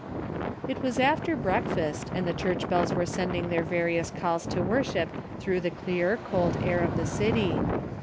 It was after breakfast, and the church bells were sending their various calls to worship through the clear cold air of the city.